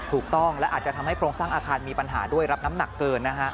ถูกต้องและอาจจะทำให้โครงสร้างอาคารมีปัญหาด้วยรับน้ำหนักเกินนะฮะ